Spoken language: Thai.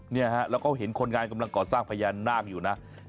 เนี่ยฮะแล้วก็เห็นคนงานกำลังก่อสร้างพญานาคอยู่นะ